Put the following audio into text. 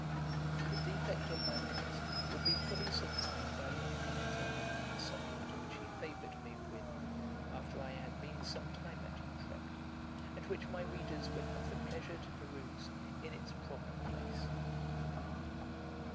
The defect of my minutes will be fully supplied by a long letter upon the subject which he favoured me with, after I had been some time at Utrecht, and which my readers will have the pleasure to peruse in its proper place.